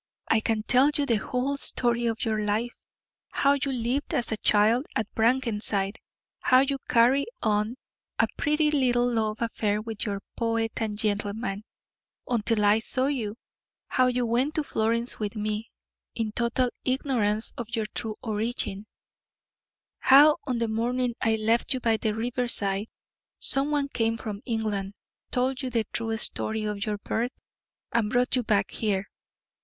"I can tell you the whole story of your life; how you lived as a child at Brackenside; how you carried on a pretty little love affair with your poet and gentleman, until I saw you; how you went to Florence with me, in total ignorance of your true origin; how on the morning I left you by the river side, some one came from England, told you the true story of your birth, and brought you back here.